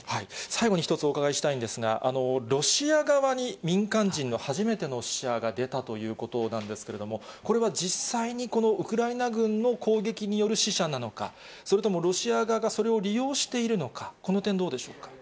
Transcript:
最後に１つお伺いしたいんですが、ロシア側に民間人の初めての死者が出たということなんですけれども、これは実際に、このウクライナ軍の攻撃による死者なのか、それともロシア側がそれを利用しているのか、この点、どうでしょうか。